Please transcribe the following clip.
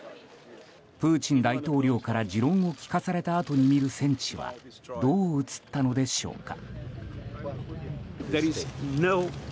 プーチン大統領から持論を聞かされたあとに見る戦地はどう映ったのでしょうか。